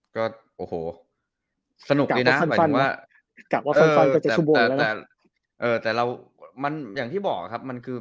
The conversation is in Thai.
ก็โอ้โหสนุกดีนะกลับว่าค่อยแต่เรามันอย่างที่บอกครับมันคือ